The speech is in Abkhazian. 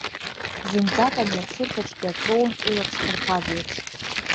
Зынӡак ани ацирк аҿтәи аклоун илаԥшхырԥагеиԥш!